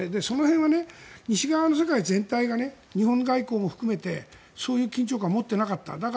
その辺は西側の世界全体が日本外交も含めてそういう緊張感を持っていなかったら。